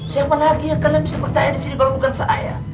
siapa lagi yang kalian bisa percaya disini kalau bukan saya